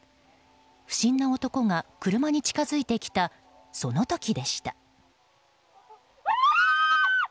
不審な男が車に近づいてきたその時でした。